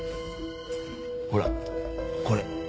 ほらこれ。